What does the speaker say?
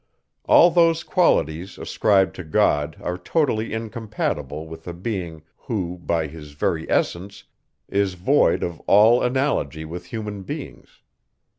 All those qualities, ascribed to God, are totally incompatible with a being, who, by his very essence, is void of all analogy with human beings.